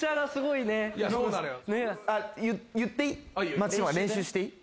松島練習していい？